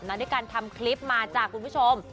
ในการทำคลิปมาจ้าคุณผู้ชม